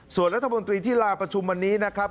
ส่วนรัฐมนตรีที่ลาประชุมวันนี้นะครับ